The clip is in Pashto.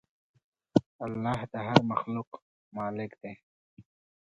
الله د هر مخلوق مالک دی.